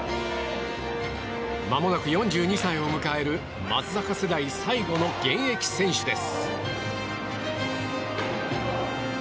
まもなく４２歳を迎える松坂世代最後の現役選手です。